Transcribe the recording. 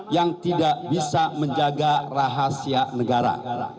yang tidak bisa menjaga rahasia negara